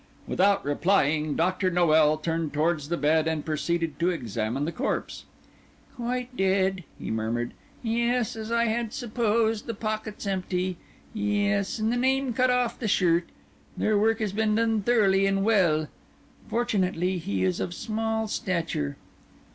Without replying, Doctor Noel turned towards the bed, and proceeded to examine the corpse. "Quite dead," he murmured. "Yes, as I had supposed, the pockets empty. Yes, and the name cut off the shirt. Their work has been done thoroughly and well. Fortunately, he is of small stature."